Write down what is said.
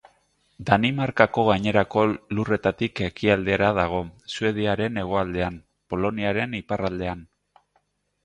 Danimarkako gainerako lurretatik ekialdera dago, Suediaren hegoaldean, Poloniaren iparraldean.